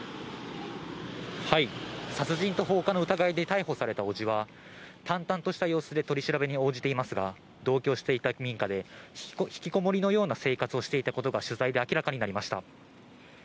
殺人と放火の疑いで逮捕された伯父は、淡々とした様子で取り調べに応じていますが、同居していた民家で引きこもりのような生活をしていたことが取材で明らかになりました。